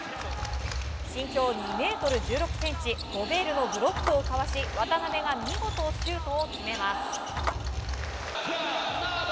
身長２ｍ１６ｃｍゴベールのブロックをかわし渡邊が見事シュートを決めます。